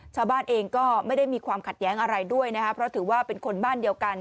ชาวบ้านเองก็ไม่ได้มีความขัดแย้งอะไรด้วยนะครับเพราะถือว่าเป็นคนบ้านเดียวกัน